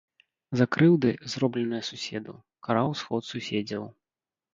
За крыўды, зробленыя суседу, караў сход суседзяў.